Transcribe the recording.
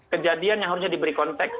kejadian yang harusnya diberi konteks